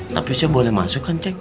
tapi saya boleh masuk kan cek